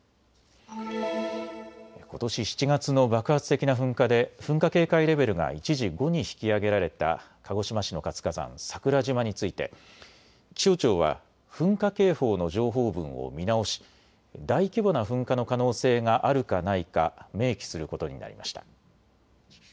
ことし７月の爆発的な噴火で噴火警戒レベルが一時、５に引き上げられた鹿児島市の活火山、桜島について気象庁は噴火警報の情報文を見直し、大規模な噴火の可能性があるかないか、明記することになりました。